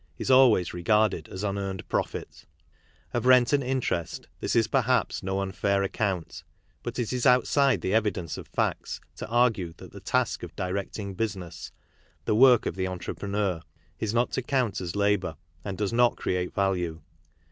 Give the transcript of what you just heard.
is always regarded as unearned profit. Of rent and in | terest this is, perhaps, no unfair account, but it is out side the evidence of facts to argue that the taskof ^irect ing;^ busijiess, the '^'of^ci^^iii^entre^T^^Qr, is""not to count as labour and"3oe"s not jcreate value.